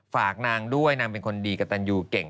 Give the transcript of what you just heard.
ฝากนางด้วยนางเป็นคนดีกับตันยูเก่ง